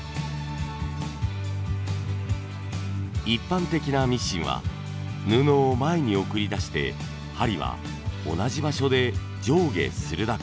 一般的なミシンは布を前に送り出して針は同じ場所で上下するだけ。